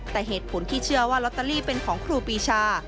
แต่เหตุผลที่เชื่อว่าลอตเตอรี่เป็นของครูปีชา